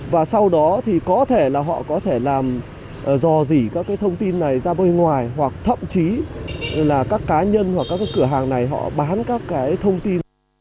và sau đó thì có thể là họ có thể làm dò dỉ các cái thông tin này ra bên ngoài hoặc thậm chí là các cá nhân hoặc các cái cửa hàng này họ bán các cái thông tin